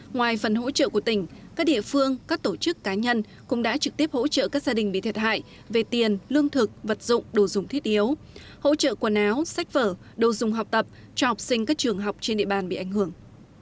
ngoài phần hỗ trợ của tỉnh các địa phương các tổ chức cá nhân cũng đã trực tiếp hỗ trợ các gia đình bị thiệt hại về tiền lương thực vật dụng đồ dùng thiết yếu hỗ trợ quần áo sách vở đồ dùng học tập cho học sinh các trường học trên địa bàn bị ảnh hưởng